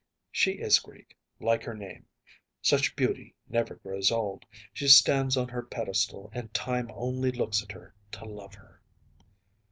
‚ÄĚ “She is Greek, like her name. Such beauty never grows old. She stands on her pedestal, and time only looks at her to love her.